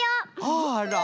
あら。